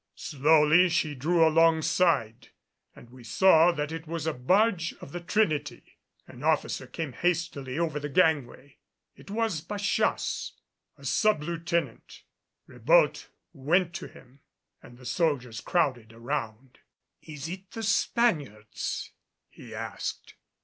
Slowly she drew alongside and we saw that it was a barge of the Trinity. An officer came hastily over the gangway. It was Bachasse, a sub lieutenant. Ribault went to him, and the soldiers crowded around. "Is it the Spaniards?" he asked.